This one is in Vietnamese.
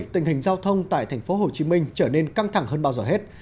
tình hình giao thông tại tp hcm trở nên căng thẳng hơn bao giờ hết